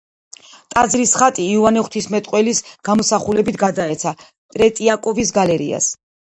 ტაძრის ხატი, იოანე ღვთისმეტყველის გამოსახულებით გადაეცა ტრეტიაკოვის გალერეას.